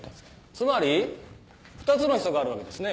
つまり２つのヒ素があるわけですね。